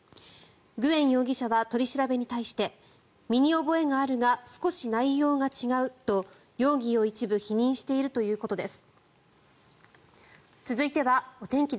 グエン容疑者は取り調べに対して身に覚えがあるが少し内容が違うと容疑を一部否認しているということです。